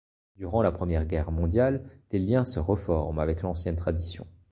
Durant la Première Guerre mondiale, des liens se reforment avec l’ancienne tradition.